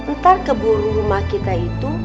ntar keburu rumah kita itu